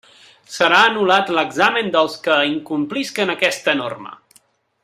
Serà anul·lat l'examen dels que incomplisquen aquesta norma.